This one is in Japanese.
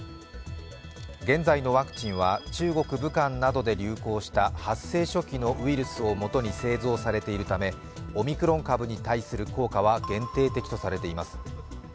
現在のワクチンは中国・武漢などで流行した発生初期のウイルスを元に製造されているためオミクロン株に対する効果は限定的とされています。